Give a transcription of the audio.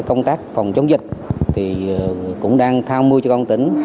công tác phòng chống dịch thì cũng đang thao mưu cho con tỉnh